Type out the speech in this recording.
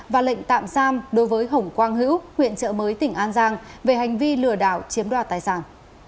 và lệnh tạm giam đối với hồng quang hữu huyện trợ mới tỉnh an giang về hành vi lừa đảo chiếm đoạt tài sản